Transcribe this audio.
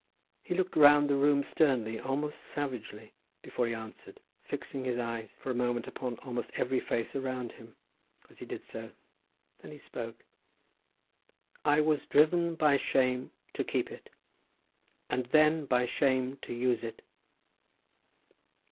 He looked round the room sternly, almost savagely, before he answered, fixing his eyes for a moment upon almost every face around him as he did so. Then he spoke. "I was driven by shame to keep it, and then by shame to use it."